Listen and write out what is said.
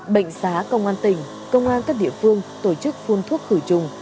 bệnh xá công an tỉnh công an các địa phương tổ chức phun thuốc khử trùng